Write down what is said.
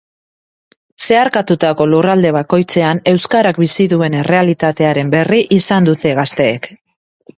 Zeharkatutako lurralde bakoitzean euskarak bizi duen errealitatearen berri izan dute gazteek.